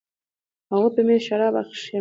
هغوی په میز شراب ایشخېشل.